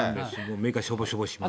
目がしょぼしょぼします。